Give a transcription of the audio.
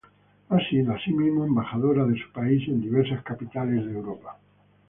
Ha sido, asimismo, embajadora de su país en diversas capitales de Europa.